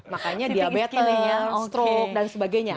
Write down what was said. makanya diabetel stroke dan sebagainya